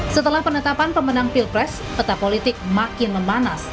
setelah penetapan pemenang pilpres peta politik makin memanas